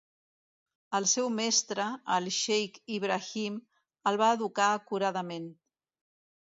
El seu mestre, el xeic Ibrahim, el va educar acuradament.